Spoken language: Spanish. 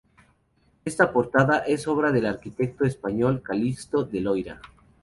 Esta portada es obra del arquitecto español Calixto de Loira.